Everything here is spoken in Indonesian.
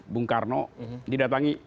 bung karno didatangi